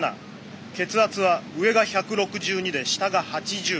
血圧は上が１６２で下が８０。